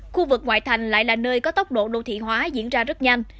khu vực ngoại thành lại là nơi có tốc độ đô thị hóa diễn ra rất nhanh